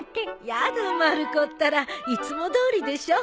やだまる子ったらいつもどおりでしょ。